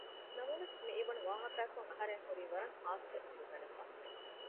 ނަމަވެސް މިއިވުނު ވާހަކައަކުން އަހަރެން ހުރީ ވަރަށް ހާސްވެ ބިރުގަނެފަ